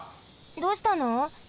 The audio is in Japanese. どうしたの？